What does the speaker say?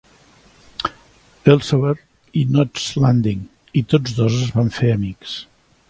Elsewhere" i "Knots Landing", i tots dos es van fer amics.